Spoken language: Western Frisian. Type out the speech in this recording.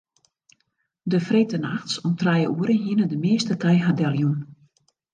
De freedtenachts om trije oere hiene de measte kij har deljûn.